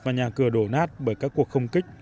và nhà cửa đổ nát bởi các cuộc không kích